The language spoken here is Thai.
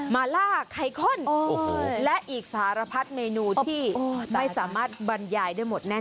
มาล่าไคอนและอีกสารพัดเมนูที่ไม่สามารถบรรยายได้หมดแน่น